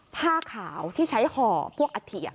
ผ้าขาวที่ใช้ห่อพวกอัฐิ